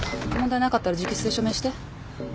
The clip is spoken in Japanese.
問題なかったら直筆で署名して。